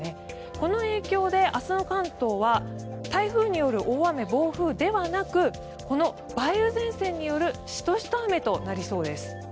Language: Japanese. この影響で明日の関東は台風による大雨、暴風ではなくこの梅雨前線によるシトシト雨となりそうです。